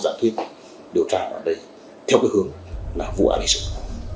giả thuyết điều tra ở đây theo cái hướng là vụ án điện trường